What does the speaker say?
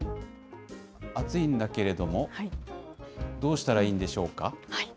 暑いんだけれども、どうしたらいいんでしょうか。